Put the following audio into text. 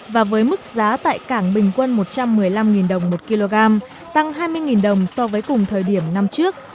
và với mức giá tại cảng bình quân một trăm một mươi năm đồng một kg tăng hai mươi đồng so với cùng thời điểm năm trước